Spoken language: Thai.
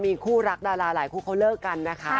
มีคู่รักดาราหลายคู่เขาเลิกกันนะคะ